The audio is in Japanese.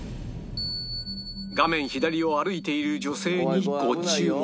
画面左を歩いている女性にご注目